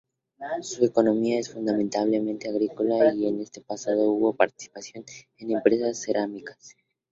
Su economía es fundamentalmente agrícola, y en el pasado hubo participación en empresas cerámicas.